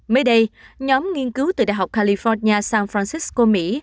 mới đây nhóm nghiên cứu từ đại học california san francisco mỹ